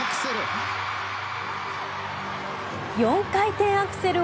４回転アクセル。